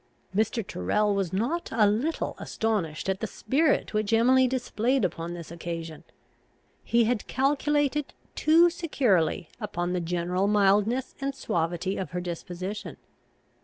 Mr. Tyrrel was not a little astonished at the spirit which Emily displayed upon this occasion. He had calculated too securely upon the general mildness and suavity of her disposition.